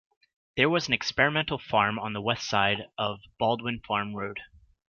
There was an experimental farm on the west side of Baldwin Farm Road.